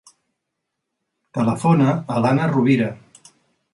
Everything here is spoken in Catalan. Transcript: Telefona a l'Alana Rubira.